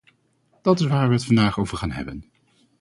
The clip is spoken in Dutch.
Dat is waar we het vandaag over gaan hebben.